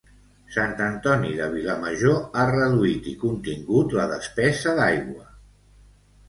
Sant Antoni de Vilamajor ha reduït i contingut la despesa d'aigua